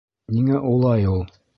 Ниңә улай ул?